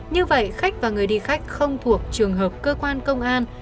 như vậy khách và người đi khách không thuộc trường hợp cơ quan công an